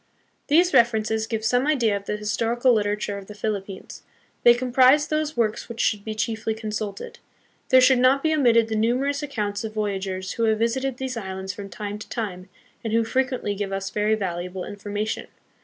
These references give some idea of the historical liter ature of the Philippines. They comprise those works which should be chiefly consulted. There should not be omitted the numerous accounts of voyagers who have visited these islands from time to time, and who frequently give us very valuable information.